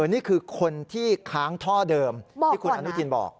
นี่คือคนที่ค้างท่อเดิมที่คุณอนุทินบอก